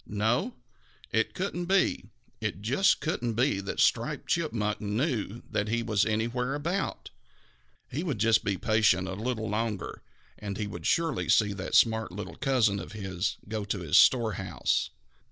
No, it couldn't be, it just couldn't be that Striped Chipmunk knew that he was anywhere about. He would just be patient a little longer, and he would surely see that smart little cousin of his go to his storehouse.